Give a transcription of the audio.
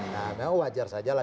nah memang wajar saja lah